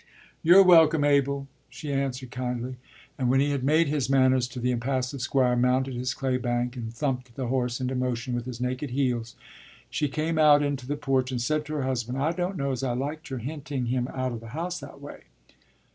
“You're welcome, Abel,” she answered kindly, and when he had made his manners to the impassive Squire and mounted his claybank and thumped the horse into motion with his naked heels, she came out into the porch and said to her husband, “I don't know as I liked your hinting him out of the house that way.